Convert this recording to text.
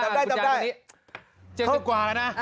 นี่๕นึงอย่างนี้๗๐กว่าเหรออ่ะ